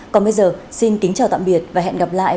còn bây giờ xin kính chào tạm biệt và hẹn gặp lại